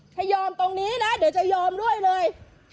ถ้ายอมตรงนี้นะเดี๋ยวจะยอมด้วยเลย